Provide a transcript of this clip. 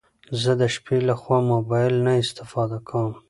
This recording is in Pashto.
زه د شپې لخوا موبايل نه استفاده کوم